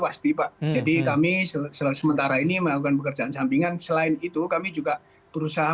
pasti pak jadi kami selesai sementara ini melakukan pekerjaan sampingan selain itu kami juga berusaha